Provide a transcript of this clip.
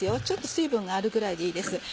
ちょっと水分があるぐらいでいいです。